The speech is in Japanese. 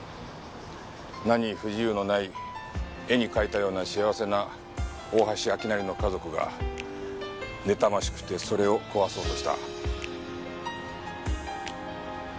何不自由のない絵に描いたような幸せな大橋明成の家族がねたましくてそれを壊そうとした。